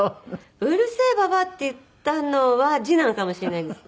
「うるせえばばあ」って言ったのは次男かもしれないです。